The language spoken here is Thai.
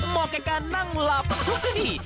มอเกะกานนั่งหลับทุกนี่